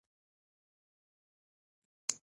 جينکۍ څومره تکړه دي